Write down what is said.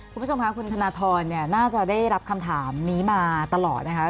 คุณผู้ชมค่ะคุณธนทรน่าจะได้รับคำถามนี้มาตลอดนะคะ